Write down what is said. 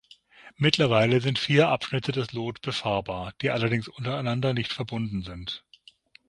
Mittlerweile sind vier Abschnitte des Lot befahrbar, die allerdings untereinander nicht verbunden sind.